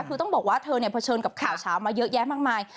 คือต้องบอกว่าเธอเนี่ยเผชิญกับข่าวเช้ามาเยอะแยะมากมาย